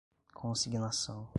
consignação